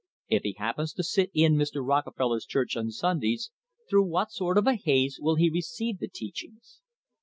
If he happens to sit in Mr. Rockefeller's church on Sundays, through what sort of a haze will he re ceive the teachings?